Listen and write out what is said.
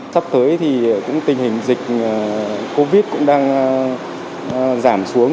sắp tới thì cũng tình hình dịch covid cũng đang giảm xuống